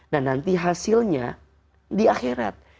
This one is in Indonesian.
nah nanti hasilnya di akhirat